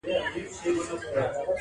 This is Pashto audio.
بې خبره له جهانه-